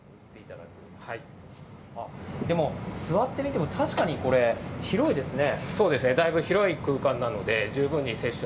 でも、座ってみても、確かにこれ、広いですね。